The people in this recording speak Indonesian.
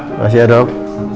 terima kasih ya dok